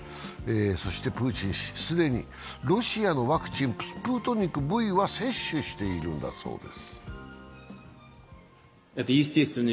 そしてプーチン氏、既にロシアのワクチン・スプートニクＶは接種しているんだそうです。